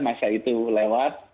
masa itu lewat